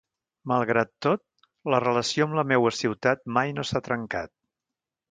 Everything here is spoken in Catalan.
Malgrat tot, la relació amb la meua ciutat mai no s'ha trencat.